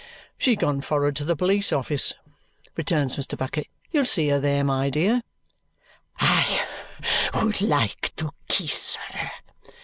"She's gone forrard to the Police Office," returns Mr. Bucket. "You'll see her there, my dear." "I would like to kiss her!"